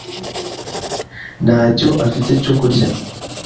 ntacyo afite cyo kurya.